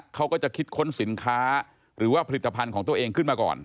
เขาก็จะคิดค้นสินค้าหรือว่าผลิตภัณฑ์ของตัวเองขึ้นมาก่อน